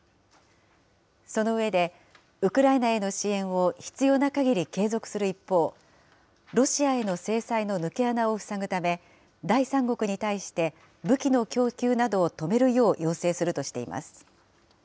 その上で、ウクライナへの支援を必要なかぎり継続する一方、ロシアへの制裁の抜け穴を塞ぐため、第三国に対して、武器の供給などを止めるよう要請するとしています。